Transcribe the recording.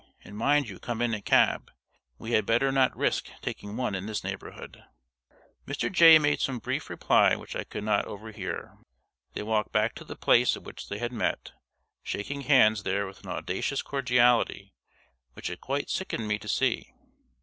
And mind you come in a cab. We had better not risk taking one in this neighborhood." Mr. Jay made some brief reply which I could not overhear. They walked back to the place at which they had met, shaking hands there with an audacious cordiality which it quite sickened me to see.